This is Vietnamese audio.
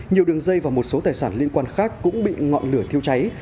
nhiều đường dây và một số tài sản liên quan khác cũng bị ngọn lửa thiêu cháy